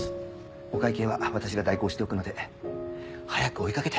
お会計は私が代行しておくので早く追い掛けて。